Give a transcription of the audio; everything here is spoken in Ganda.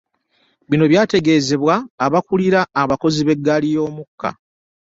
Bino byategeezebwa abakulira abakozi b'eggaali y'omukka